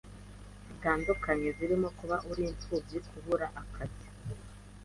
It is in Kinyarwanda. zitandukanye zirimo kuba uri imfubyi, kubura akazi,